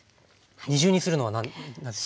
二重にするのは何でですか？